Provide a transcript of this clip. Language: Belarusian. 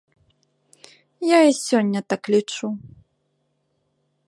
Я і сёння так лічу.